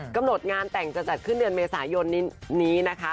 กำหนดงานแต่งจะจัดขึ้นเดือนเมษายนนี้นะคะ